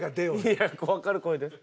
いやわかる声だよ。